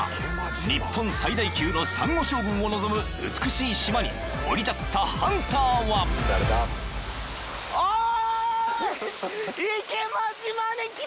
［日本最大級のサンゴ礁群を望む美しい島に降り立ったハンターは］おい！